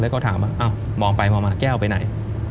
แล้วก็ถามว่ามองไปมองมาแก้วไปไหน